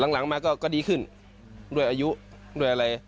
หลังมาก็ดีขึ้นด้วยอายุด้วยอะไร